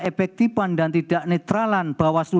efektifan dan tidak netralan bawaslu